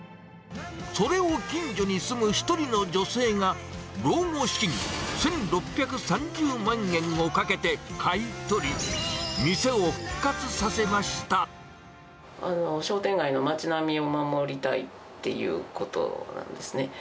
それを近所に住む一人の女性が、老後資金１６３０万円をかけて買い取り、商店街の街並みを守りたいっていうことなんですね。